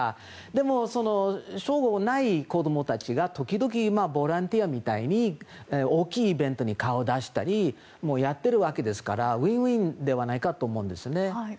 でも、その称号ない子供たちが時々、今ボランティアみたいに大きいイベントに顔を出したりもやっているわけですからウィンウィンではないかと思うんですね。